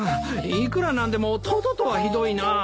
いくらなんでもトドとはひどいなぁ。